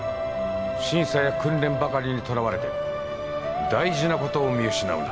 審査や訓練ばかりにとらわれて大事なことを見失うな。